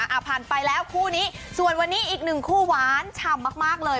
อ่ะผ่านไปแล้วคู่นี้ส่วนวันนี้อีกหนึ่งคู่หวานฉ่ำมากมากเลย